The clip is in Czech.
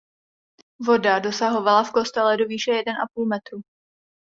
Voda dosahovala v kostele do výše jeden a půl metru.